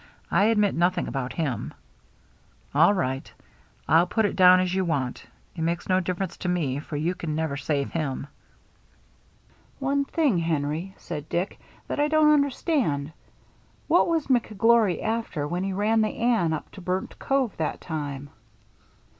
I admit nothing about him." "All right. rU put it down as you want. It makes no difference to me, for you can never save him." "One thing, Henry," said Dick, "that I don't understand. What was McGlory after when he ran the Anne up to Burnt Cove that time?"